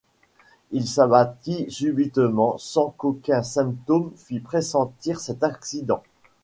Il s’abattit subitement sans qu’aucun symptôme fît pressentir cet accident.